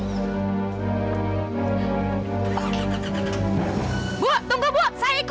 tunggu tunggu tunggu